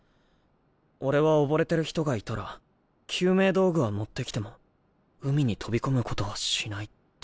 俺は溺れてる人がいたら救命道具は持ってきても海に飛び込むことはしないって。